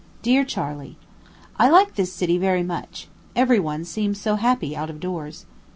DEAR CHARLEY: I like this city very much every one seems so happy out of doors.